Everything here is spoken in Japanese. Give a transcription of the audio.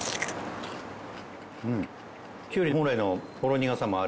きゅうり本来のほろ苦さもある。